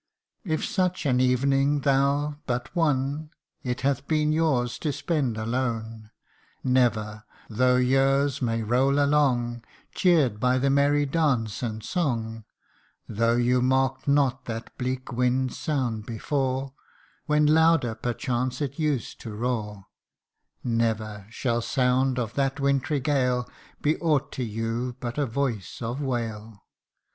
If such an evening, tho' but one, It hath been yours to spend alone Never, though years may roll along Cheer'd by the merry dance and song ; Though you mark'd not that bleak wind's sound before, When louder perchance it used to roar Never shall sound of that wintry gale Be aught to you but a voice of wail